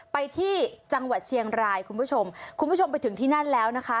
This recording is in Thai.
ไปที่จังหวัดเชียงรายคุณผู้ชมคุณผู้ชมไปถึงที่นั่นแล้วนะคะ